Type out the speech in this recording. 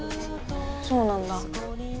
そうなんだ。